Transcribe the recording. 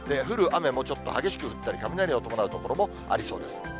降る雨もちょっと激しく降ったり、雷を伴う所もありそうです。